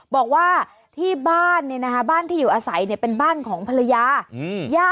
บอกว่าที่บ้านเนี่ยนะคะบ้านที่อยู่อาศัยเนี่ยเป็นบ้านของภรรยา